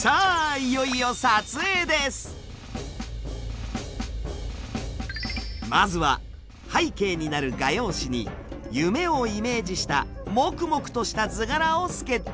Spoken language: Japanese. いよいよまずは背景になる画用紙に夢をイメージしたモクモクとした図柄をスケッチ。